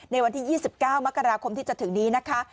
ในวันที่๒๙มกราคมที่จะถึงนี้นะคะ